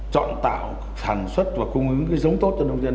chọn tạo sản xuất và cung ứng cái giống tốt cho nông dân